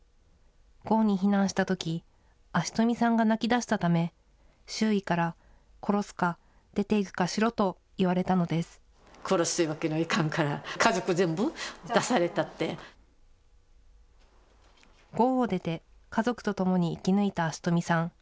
ごうに避難したとき、安次富さんが泣き出したため、周囲から殺すか出ていくかしろと言われたのでごうを出て、家族と共に生き抜いた安次富さん。